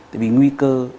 tại vì nguy cơ